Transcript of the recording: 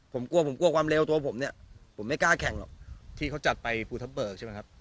ผมกลัวผมกลัวความเร็วตัวผมเนี่ยผมไม่กล้าแข่งหรอกที่เขาจัดไปภูทับเบิกใช่ไหมครับ